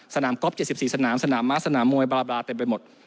สนามก๊อบ๗๔สนามสนามมะสนามมวยบราบราเป็นไปหมด